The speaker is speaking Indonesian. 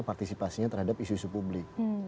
partisipasinya terhadap isu isu publik